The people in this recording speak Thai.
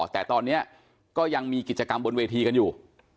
แต่ตอนนี้ก็ยังมีกิจกรรมบนเวทีกันอยู่